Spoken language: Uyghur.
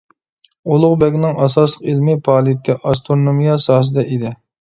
ئۇلۇغبەگنىڭ ئاساسلىق ئىلمىي پائالىيىتى ئاسترونومىيە ساھەسىدە ئىدى.